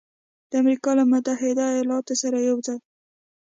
د امریکا له متحده ایالاتو سره یوځای